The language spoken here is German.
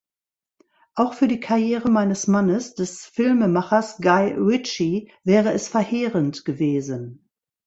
Auch für die Karriere meines Mannes, des Filmemachers Guy Ritchie, wäre es verheerend gewesen.